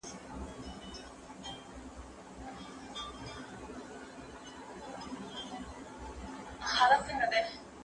سلامونه سهار مو ګلورین.